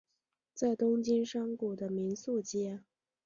在东京山谷的宿民街。